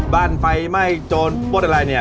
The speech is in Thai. ไฟไหม้โจรปดอะไรเนี่ย